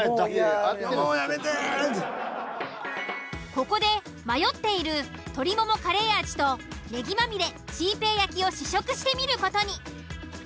ここで迷っている鶏ももカレー味と葱まみれチー平焼きを試食してみる事に。